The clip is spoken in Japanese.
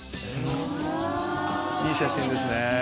いい写真ですね